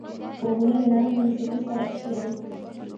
غوږونه له نرمه موسیقۍ سره عشق لري